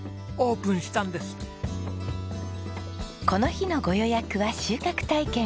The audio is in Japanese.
この日のご予約は収穫体験。